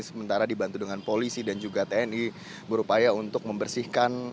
sementara dibantu dengan polisi dan juga tni berupaya untuk membersihkan